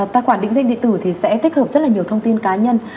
tài khoản định danh điện tử thì sẽ tích hợp rất là nhiều thông tin cá nhân